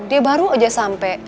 dia baru aja sampe